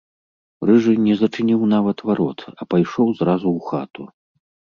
Рыжы не зачыніў нават варот, а пайшоў зразу ў хату.